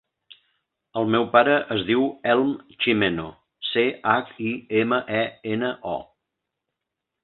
El meu pare es diu Elm Chimeno: ce, hac, i, ema, e, ena, o.